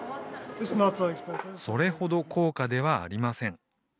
それほど高価ではありません。